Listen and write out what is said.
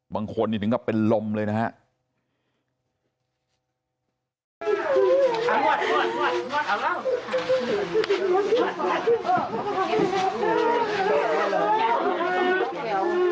บางคนอีกหนึ่งก็เป็นลมเลยนะครับ